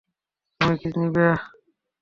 তুমি কী নিবে?